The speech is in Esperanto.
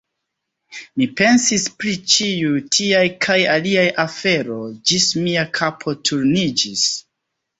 Mi pensis pri ĉiuj tiaj kaj aliaj aferoj, ĝis mia kapo turniĝis.